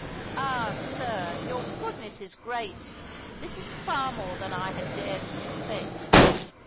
Ah, sir, your goodness is great, this is far more than I had dared to expect!